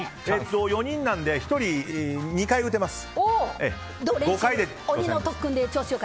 ４人なんで１人２回打てます。